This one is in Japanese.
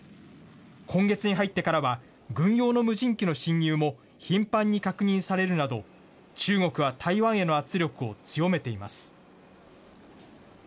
今月に入ってからは、軍用の無人機の進入も頻繁に確認されるなど、中国は台湾への圧力を強めています。